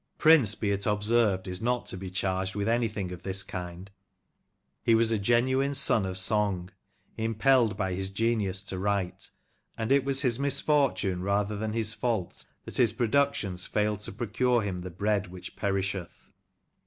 Prince, be it observed, is not to be charged with anything of this kind. He was a genuine son of song, impelled by his genius to write, and it was his misfortune rather than his fault that his productions failed to procure him the bread which perisheth.